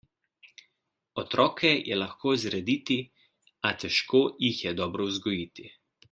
Otroke je lahko zrediti, a težko jih je dobro vzgojiti.